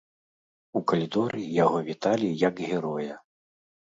У калідоры яго віталі як героя.